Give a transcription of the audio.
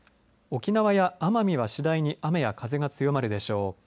沖縄や奄美は次第に雨や風が強まるでしょう。